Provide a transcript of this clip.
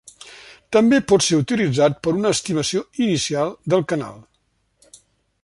També pot ser utilitzat per una estimació inicial del canal.